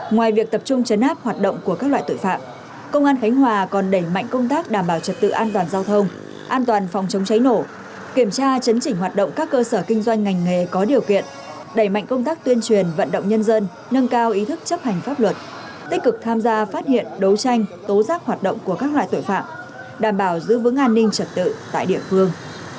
ngoài việc tập trung chấn áp hoạt động của các loại tội phạm công an khánh hòa còn đẩy mạnh công tác đảm bảo trật tự an toàn giao thông an toàn phòng chống cháy nổ kiểm tra chấn chỉnh hoạt động các cơ sở kinh doanh ngành nghề có điều kiện đẩy mạnh công tác tuyên truyền vận động nhân dân nâng cao ý thức chấp hành pháp luật tích cực tham gia phát hiện đấu tranh tố giác hoạt động của các loại tội phạm đảm bảo giữ vững an ninh trật tự tại địa phương